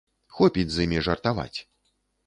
Хопіць з імі жартаваць.